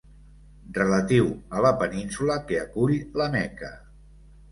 Relatiu a la península que acull la Meca.